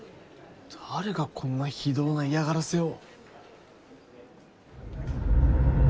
誰がこんな非道な嫌がらせを。